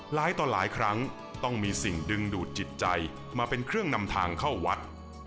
หลายต่อหลายครั้งต้องมีสิ่งดึงดูดจิตใจมาเป็นเครื่องนำทางเข้าวัด